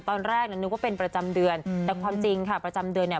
ตอนแรกน่ะนึกว่าเป็นประจำเดือนแต่ความจริงค่ะประจำเดือนเนี่ย